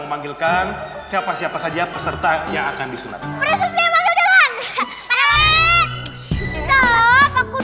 memanggilkan siapa siapa saja peserta yang akan disunatkan